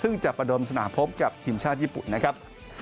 ซึ่งจะประดมสนามพบกับทีมชาติญี่ปุ่นนะครับ